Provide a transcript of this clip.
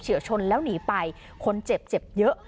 เฉียวชนแล้วหนีไปคนเจ็บเยอะ